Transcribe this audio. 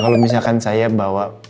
kalau misalkan saya bawa